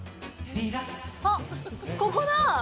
あっ、ここだ！